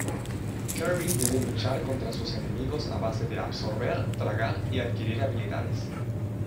Kirby debe luchar contra sus enemigos a base de absorber, tragar y adquirir habilidades.